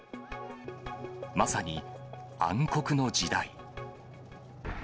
まさに、暗黒の時代。